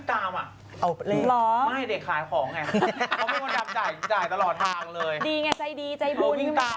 เขาไปทำบุญ